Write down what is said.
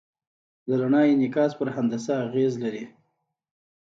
د رڼا انعکاس په هندسه اغېز لري.